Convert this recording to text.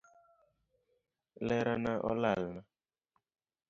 Lerana olalna.